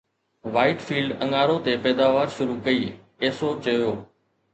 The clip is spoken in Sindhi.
وائيٽ فيلڊ اڱارو تي پيداوار شروع ڪئي، ايسو چيو